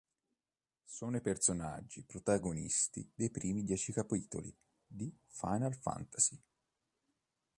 Sono i personaggi protagonisti dei primi dieci capitoli di "Final Fantasy".